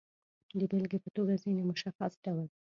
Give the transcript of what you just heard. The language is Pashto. د بېلګې په توګه، ځینې مشخص ډول